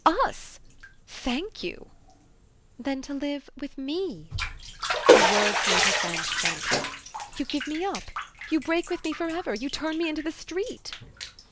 "'Us?' Thank you!" "Then to live with ME." The words made her friend jump. "You give me up? You break with me for ever? You turn me into the street?"